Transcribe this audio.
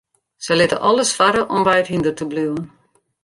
Se litte alles farre om by it hynder te bliuwen.